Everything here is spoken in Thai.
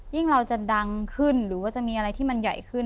เราจะดังขึ้นหรือว่าจะมีอะไรที่มันใหญ่ขึ้น